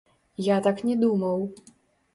Я так не думаў.